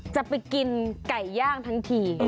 จะไปกินไก่ย่างทั้งที